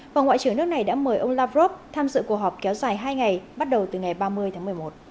và ngoại trưởng nước này đã mời ông lavrov tham dự cuộc họp kéo dài hai ngày bắt đầu từ ngày ba mươi tháng một mươi một